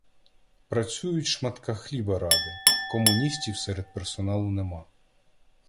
Працюють шматка хліба ради — комуністів серед персоналу нема.